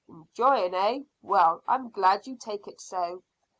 "Enjoying, eh? Well, I'm glad you take it so."